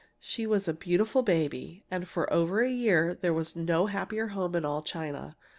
She was a beautiful baby, and for over a year there was no happier home in all China.